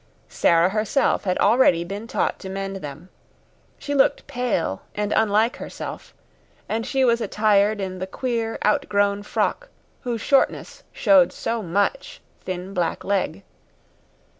Sara herself had already been taught to mend them. She looked pale and unlike herself, and she was attired in the queer, outgrown frock whose shortness showed so much thin black leg.